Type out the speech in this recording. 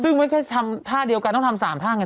ซึ่งไม่ใช่ทำท่าเดียวกันต้องทำ๓ท่าไง